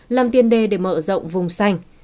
làm tiên đề để mở rộng vùng xanh